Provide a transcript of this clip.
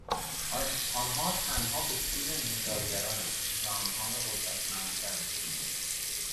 آنها تنها به سود انحصارگراناند و آنها را قدرتمندتر میکنند